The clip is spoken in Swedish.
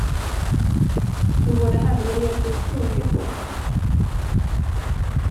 De båda herrarna hjälptes troget åt.